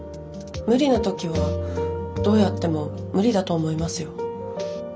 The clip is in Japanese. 無理な時はどうやっても無理だと思いますよ。